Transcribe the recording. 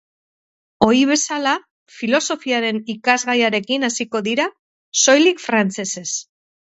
Ohi bezala, filosofiaren ikasgaiarekin hasiko dira, soilik frantsesez.